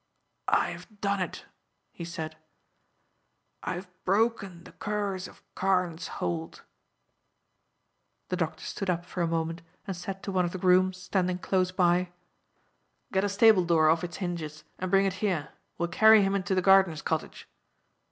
"I have done it," he said. "I have broken the curse of Carne's Hold." The doctor stood up for a moment and said to one of the grooms standing close by: "Get a stable door off its hinges and bring it here; we will carry him into the gardener's cottage."